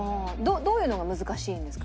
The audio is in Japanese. どういうのが難しいんですか？